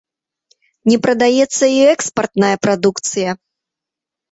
Не прадаецца і экспартная прадукцыя.